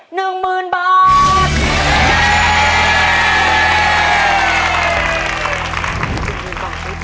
๑หมื่นบาท